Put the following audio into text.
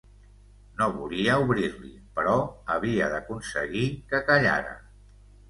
No volia obrir-li però havia d'aconseguir que callara.